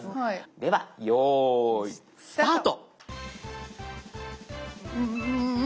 では用意スタート。